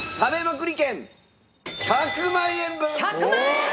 １００万円！？